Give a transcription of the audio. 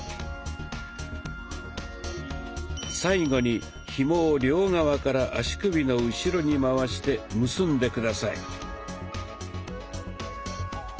最後にひもを両側から足首の後ろに回して結んで下さい。